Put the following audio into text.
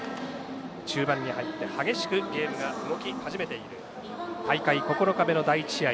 中盤に入って激しくゲームが動き始めている大会９日目の第１試合。